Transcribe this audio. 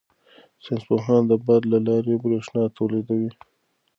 ساینس پوهان د باد له لارې بریښنا تولیدوي.